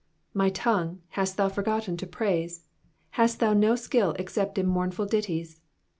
My tongue, hast thou forgotten to praise ? Hast thou no skill except in mournful ditties?